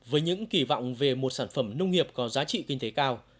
với những kỳ vọng về một sản phẩm nông nghiệp có giá trị kinh tế cao